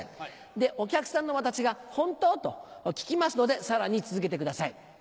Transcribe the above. でお客さんの私が「ホント？」と聞きますのでさらに続けてください。